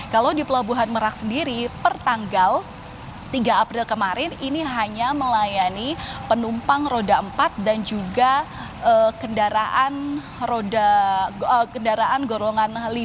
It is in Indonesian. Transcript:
kalau di pelabuhan merak sendiri per tanggal tiga april kemarin ini hanya melayani penumpang roda empat dan juga kendaraan golongan lima